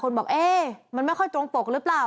บอกเอ๊ะมันไม่ค่อยตรงปกหรือเปล่า